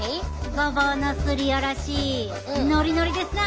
ごぼうのすりおろしノリノリですな。